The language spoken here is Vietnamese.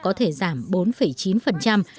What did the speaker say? có thể giảm bốn chín